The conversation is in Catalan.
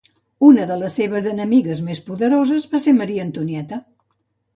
Una de les seves enemigues més poderoses va ser Maria Antonieta.